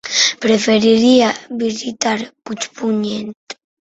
Preferiria visitar Puigpunyent.